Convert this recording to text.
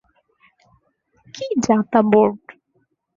কী, যা-তা বোর্ড?